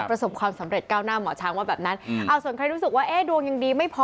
ประสบความสำเร็จก้าวหน้าหมอช้างว่าแบบนั้นเอาส่วนใครรู้สึกว่าเอ๊ะดวงยังดีไม่พอ